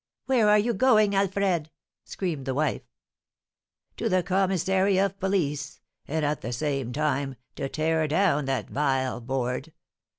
"Where are you going, Alfred?" screamed the wife. "To the commissary of police, and, at the same time, to tear down that vile board!